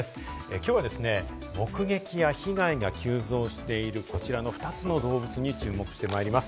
きょうはですね、目撃や被害が急増しているこちらの２つの動物に注目してまいります。